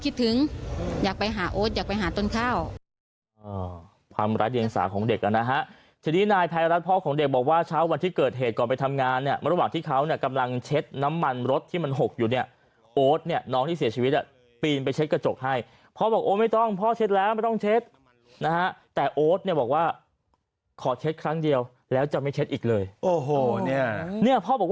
เด็กอ่ะนะฮะทีนี้นายภายรัฐพ่อของเด็กบอกว่าเช้าวันที่เกิดเหตุก่อนไปทำงานเนี้ยมระหว่างที่เขาเนี้ยกำลังเช็ดน้ำมันรถที่มันหกอยู่เนี้ยโอ๊ตเนี้ยน้องที่เสียชีวิตอ่ะปีนไปเช็ดกระจกให้พ่อบอกโอ้ไม่ต้องพ่อเช็ดแล้วไม่ต้องเช็ดนะฮะแต่โอ๊ตเนี้ยบอกว่าขอเช็ดครั้งเดียวแล้วจะไม่เ